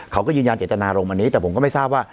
เขาก็ยืนยันเจตนารมณวันนี้แต่ผมก็ไม่ทราบว่า